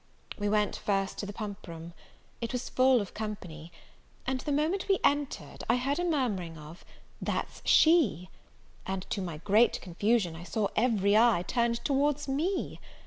We went first to the pump room. It was full of company; and the moment we entered, I heard a murmuring of, "That's she!" and, to my great confusion, I saw every eye turned towards me.